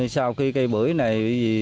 sau khi cây bưởi này